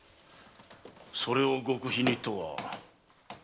それを極秘にとは。